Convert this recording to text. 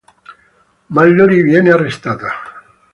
Mallory viene arrestata.